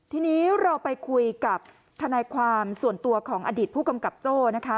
ทีนี้เราไปคุยกับทนายความส่วนตัวของอดีตผู้กำกับโจ้นะคะ